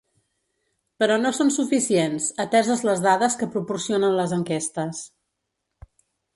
Però no són suficients, ateses les dades que proporcionen les enquestes.